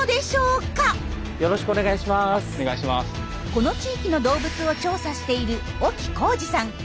この地域の動物を調査している沖浩志さん。